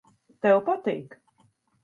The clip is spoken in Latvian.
Tev patīk.